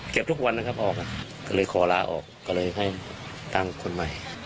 ทุกวันนะครับออกก็เลยขอลาออกก็เลยให้ตั้งคนใหม่